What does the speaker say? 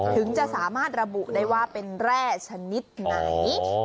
ถึงจะสามารถระบุได้ว่าเป็นแร่ชนิดไหน